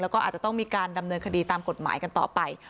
แล้วก็อาจจะต้องมีการดำเนินคดีตามกฎหมายกันต่อไป